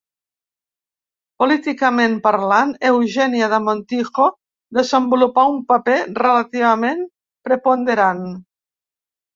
Políticament parlant, Eugènia de Montijo desenvolupà un paper relativament preponderant.